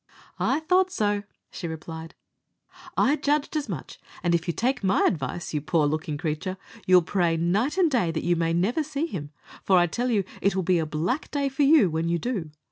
"I thought so," she replied; "I judged as much; and if you take my advice, you poor looking creature, you'll pray night and day that you may never see him, for I tell you it will be a black day for you when you do.